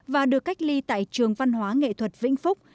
và được cách ly tại trường văn hóa nghệ thuật vĩnh phúc